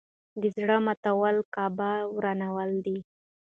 د زړه ماتول کعبه ورانول دي.